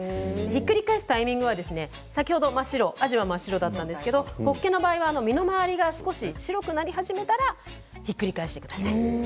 ひっくり返すタイミングは先ほどあじは真っ白だったんですがホッケの場合は身の回りが少し白くなり始めたらひっくり返してください。